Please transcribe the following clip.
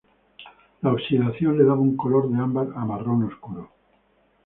La oxidación le daba un color de ámbar a marrón oscuro.